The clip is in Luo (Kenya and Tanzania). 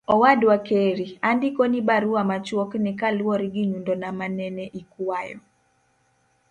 owadwa Kheri, andiko ni barua machuok ni kaluwore gi nyundona manene ikwayo